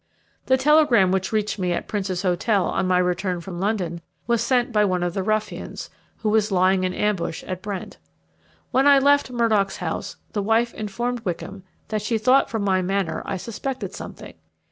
The telegram which reached me at Prince's Hotel on my return from London was sent by one of the ruffians, who was lying in ambush at Brent. When I left Murdock's house, the wife informed Wickham that she thought from my manner I suspected something.